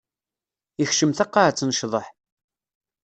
Ikcem taqaɛet n ccḍeḥ.